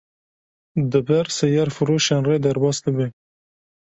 di ber seyarfiroşan re derbas dibe